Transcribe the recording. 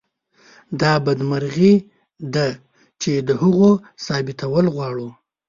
دا بدمرغي ده چې د هغو ثابتول غواړو.